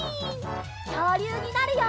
きょうりゅうになるよ！